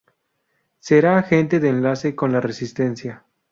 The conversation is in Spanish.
Será agente de enlace con la Resistencia.